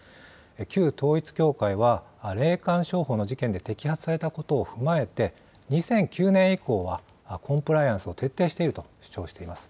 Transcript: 旧統一教会は霊感商法の事件で摘発されたことを踏まえて、２００９年以降はコンプライアンスを徹底していると主張しています。